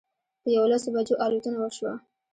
په یوولسو بجو الوتنه وشوه.